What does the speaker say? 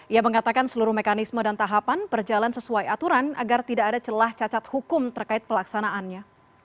ia mengatakan seluruh mekanisme dan tahapan berjalan sesuai aturan agar tidak ada celah cacat hukum terkait pelaksanaannya